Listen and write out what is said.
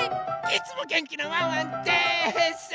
いつも元気なワンワンです。